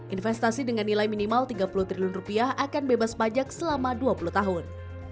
investasi dengan nilai minimal tiga puluh triliun rupiah akan bebas pajak selama dua puluh tahun